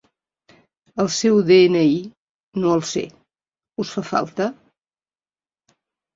El seu de-ena-i no el sé, us fa falta?